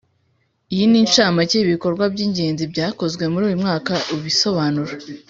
Iyi ni incamake y ibikorwa by ingenzi byakozwe muri uyu mwaka Ibisobanuro